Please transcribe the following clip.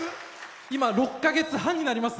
今、６か月半になります。